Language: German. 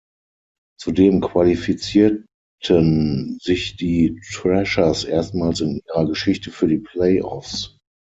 Zudem qualifizierten sich die Thrashers erstmals in ihrer Geschichte für die Playoffs.